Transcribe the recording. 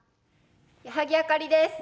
矢作あかりです。